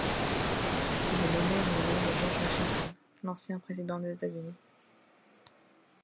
Il est nommé en l'honneur de George Washington, l'ancien président des États-Unis.